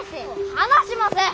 離しません！